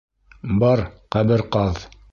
Бар, ҡәбер ҡаҙ!